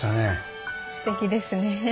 すてきですね。